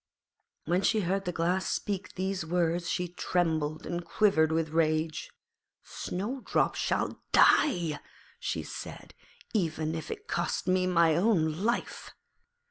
When she heard the Glass speak these words she trembled and quivered with rage. 'Snowdrop shall die,' she said, 'even if it cost me my own life.'